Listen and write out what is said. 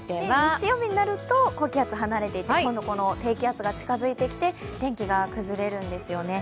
日曜日になると高気圧が離れていって今度低気圧が近づいてきて天気が崩れるんですよね。